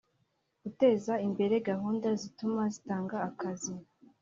guteza imbere gahunda zituma zitanga akazi